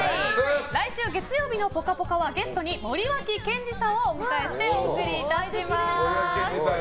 来週月曜日の「ぽかぽか」はゲストに森脇健児さんをお迎えしてお送りいたします。